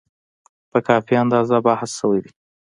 په کافي اندازه بحث شوی دی.